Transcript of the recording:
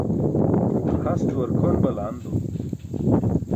Hastuwar kʰon balando.